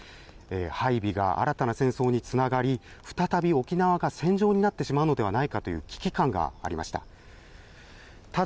配備が新たな戦争につながり、再び沖縄が戦場になってしまうのではないかという危機感がありました。